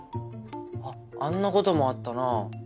あっあんな事もあったな。